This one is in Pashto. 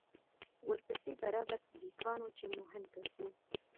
ورپسې به رابرټ بېکان و چې مهم کس و